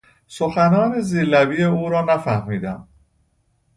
سخنان زیر لبی او را نفهمیدم.